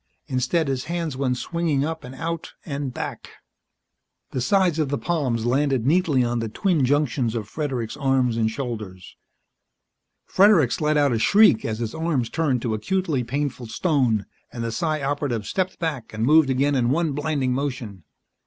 Instead his hands went swinging up and out and back. The sides of the palms landed neatly on the twin junctions of Fredericks' arms and shoulders. Fredericks let out a shriek as his arms turned to acutely painful stone, and the Psi Operative stepped back and moved again in one blinding motion.